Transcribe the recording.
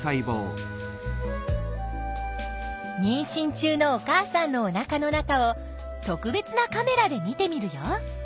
にんしん中のお母さんのおなかの中を特別なカメラで見てみるよ！